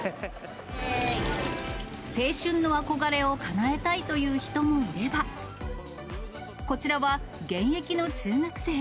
青春の憧れをかなえたいという人もいれば、こちらは現役の中学生。